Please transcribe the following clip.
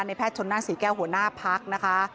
แพทย์ชนนั่นศรีแก้วหัวหน้าพักนะคะ